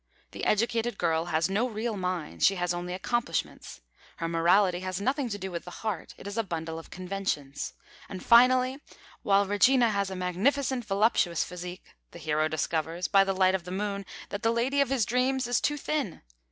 The educated girl has no real mind; she has only accomplishments. Her morality has nothing to do with the heart; it is a bundle of conventions. And finally, while Regina has a magnificent, voluptuous physique, the hero discovers by the light of the moon that the lady of his dreams is too thin!